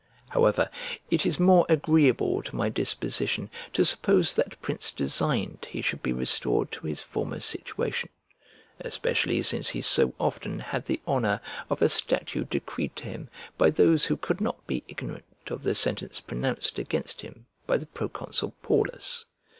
However, it is more agreeable to my disposition to suppose that prince designed he should be restored to his former situation; especially since he so often had the honour of a statue decreed to him by those who could not be ignorant of the sentence pronounced against him by the proconsul Paullus.